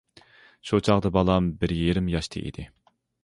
شۇ چاغدا بالام بىر يېرىم ياشتا ئىدى.